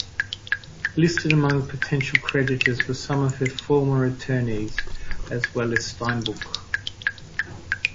Listed among potential creditors were some of her former attorneys, as well as Steinbuch.